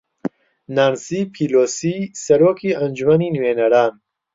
نانسی پیلۆسی سەرۆکی ئەنجومەنی نوێنەران